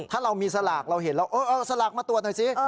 ถ้าเรามีสลากเราเห็นเราเอาสลากมาตรวจหน่อยสิ